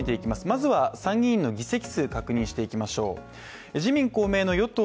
まずは参議院の議席数を確認していきましょう自民・公明の与党